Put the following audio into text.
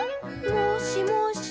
「もしもし？